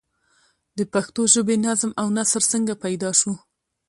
د پښتو ژبې نظم او نثر څنگه پيدا شو؟